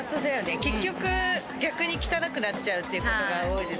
結局、逆に汚くなっちゃうということが多いです。